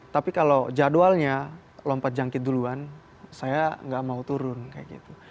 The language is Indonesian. tapi kalau jadwalnya lompat jangkit duluan saya nggak mau turun kayak gitu